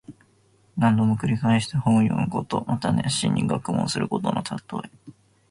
何度も繰り返して本を読むこと。また熱心に学問することのたとえ。